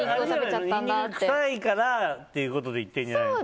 臭いからっていうことで言ってるのかな。